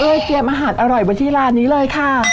เตรียมอาหารอร่อยไว้ที่ร้านนี้เลยค่ะ